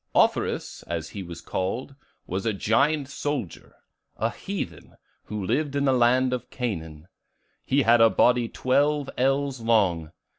"Offerus, as he was called, was a giant soldier; a heathen, who lived in the land of Canaan. He had a body twelve ells long.